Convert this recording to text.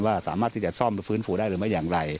สามารถที่จะซ่อมหรือฟื้นฟูได้หรือไม่อย่างไร